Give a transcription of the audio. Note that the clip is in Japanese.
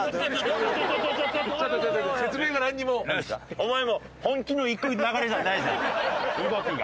お前も本気の行く流れじゃないじゃない動きが。